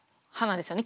ですよね？